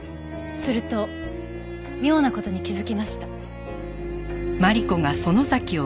すると妙な事に気づきました。